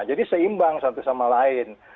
jadi seimbang satu sama lain